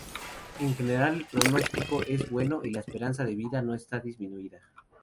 El pronóstico en general es bueno y la esperanza de vida no está disminuida.